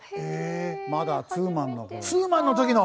まだツーマンの頃の。